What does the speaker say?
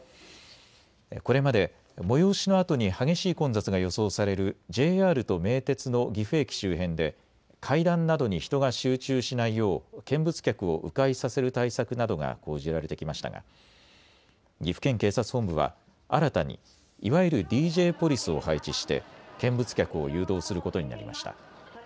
これまで催しのあとに激しい混雑が予想されるＪＲと名鉄の岐阜駅周辺で階段などに人が集中しないよう見物客をう回させる対策などが講じられてきましたが岐阜県警察本部は新たにいわゆるＤＪポリスを配置して見物客を誘導することになりました。